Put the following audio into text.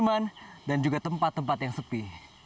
menuju permukiman dan juga tempat tempat yang sepi